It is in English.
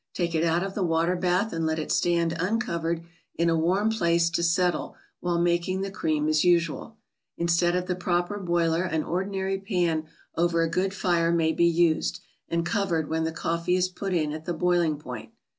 Take it out of the water bath and let it stand uncovered in a warm place to settle while making the cream as usual. Instead of the proper boiler an ordinary pan over a good fire may be used, and covered when the coffee is put in at the boiling point.